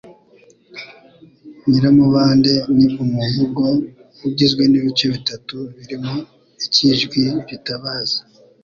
Nyiramubande' ni umuvugo ugizwe n'ibice bitatu birimo icy'ijwi ritabaza,